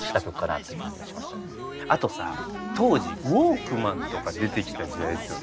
あとさ当時ウォークマンとか出てきた時代ですよね。